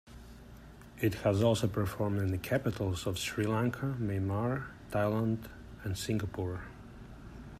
It has also performed in the capitals of Sri Lanka, Myanmar, Thailand and Singapore.